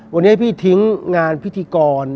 วันนี้ให้พี่ทิ้งงานพิธีกร